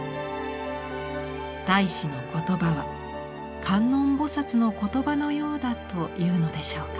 太子の言葉は観音菩の言葉のようだというのでしょうか。